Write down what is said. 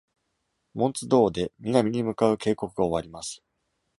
Monts Dore で南に向かう渓谷が終わります。